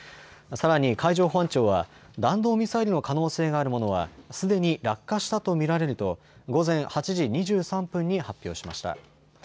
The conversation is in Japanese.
さらに海上保安庁は弾道ミサイルの可能性があるものはすでに落下したと見られると午前８時２３分に発表しました。